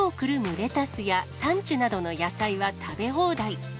レタスやサンチュなどの野菜は食べ放題。